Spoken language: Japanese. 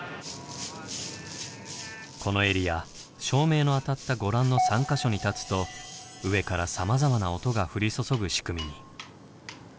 このエリア照明の当たったご覧の３か所に立つと上からさまざまな音が降り注ぐ仕組みに。